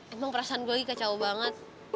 emang perasaan gue lagi kecowok banget